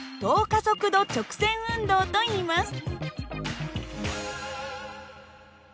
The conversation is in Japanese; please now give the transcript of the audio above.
加速度直線運動といいます。